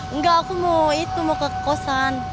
enggak aku mau itu mau ke kosan